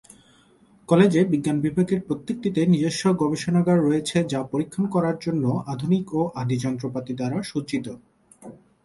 কলেজে বিজ্ঞান বিভাগের প্রত্যেকটিতে নিজস্ব গবেষণাগার রয়েছে যা পরীক্ষণ করার জন্য আধুনিক ও আদি যন্ত্রপাতি দ্বারা সজ্জিত।